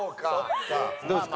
どうですか？